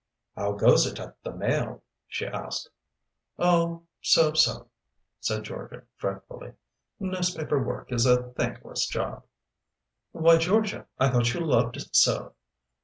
"How goes it at The Mail?" she asked. "Oh so so," said Georgia fretfully. "Newspaper work is a thankless job." "Why, Georgia, I thought you loved it so."